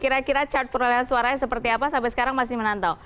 kira kira cat perolehan suaranya seperti apa sampai sekarang masih menantau